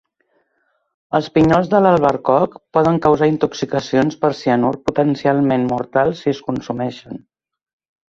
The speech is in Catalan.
Els pinyols de l'albercoc poden causar intoxicacions per cianur potencialment mortals si es consumeixen.